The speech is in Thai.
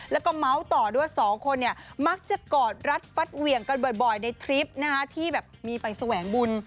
แล้วก็เมาส์ต่อด้วยสองคนเนี่ยมักจะกอดรัดฟัดเหวี่ยงกันบ่อยในทริปที่แบบมีไปแสวงบุญ